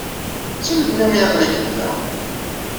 Seg melmi ay aql-ikem da?